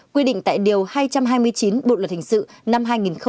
quy định tại điều hai trăm hai mươi chín bộ luật hình sự năm hai nghìn một mươi năm